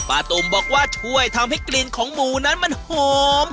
ตุ่มบอกว่าช่วยทำให้กลิ่นของหมูนั้นมันหอม